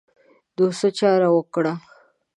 نو څه چاره وکړو.